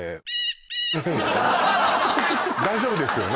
大丈夫ですよね？